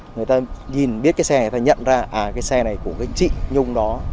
người ta nhìn biết cái xe này người ta nhận ra à cái xe này của chị nhung đó